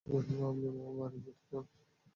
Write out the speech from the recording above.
তো, আপনি বাড়ি যেতে চান।